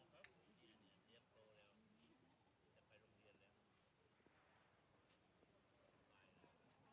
สวัสดีครับ